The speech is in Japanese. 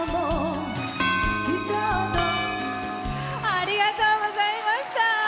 ありがとうございます。